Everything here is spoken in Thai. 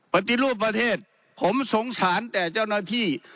ปฏิรูปประเทศผมสงสารแต่เจ้าหน้าที่